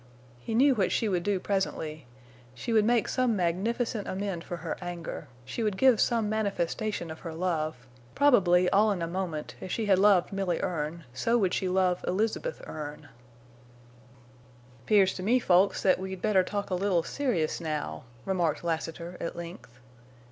He knew what she would do presently; she would make some magnificent amend for her anger; she would give some manifestation of her love; probably all in a moment, as she had loved Milly Erne, so would she love Elizabeth Erne. "'Pears to me, folks, that we'd better talk a little serious now," remarked Lassiter, at length.